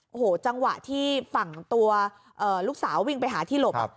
โอ้โหจังหวะที่ฝั่งตัวลูกสาววิ่งไปหาที่หลบ